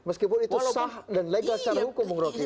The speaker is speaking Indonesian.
meskipun itu sah dan legal secara hukum bung rocky